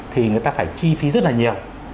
thì người ta phải chi phí rất là nhiều